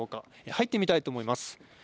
入ってみたいと思います。